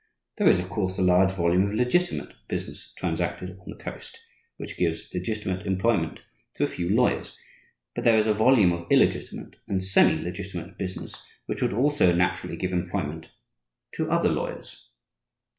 There is, of course, a large volume of legitimate business transacted on the Coast, which gives legitimate employment to a few lawyers; but there is a volume of illegitimate and semi legitimate business which would also naturally give employment to other lawyers.